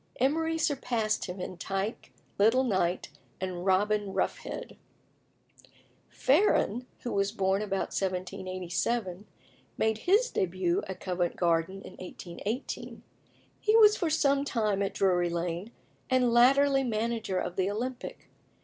Emery surpassed him in Tyke, Little Knight, and Robin Roughhead. Farren, who was born about 1787, made his début at Covent Garden in 1818. He was for some time at Drury Lane, and latterly manager of the Olympic.